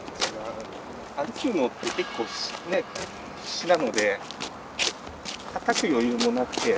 歩くのって結構必死なのでたたく余裕もなくて歩いてる。